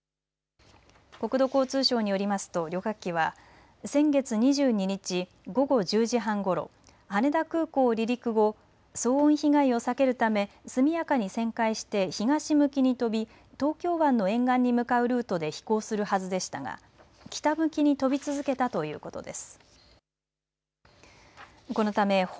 国土交通省によりますと旅客機は先月２２日午後１０時半ごろ、羽田空港離陸後、騒音被害を避けるため速やかに旋回して東向きに飛び東京湾の沿岸に向かうルートで飛行するはずでしたが北向きに飛び続けたということです。